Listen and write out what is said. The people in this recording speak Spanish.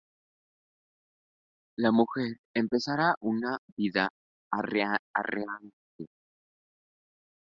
La mujer empezará una vida errante…